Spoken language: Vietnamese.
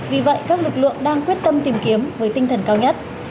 vì vậy các lực lượng đang quyết tâm tìm kiếm với tinh thần cao nhất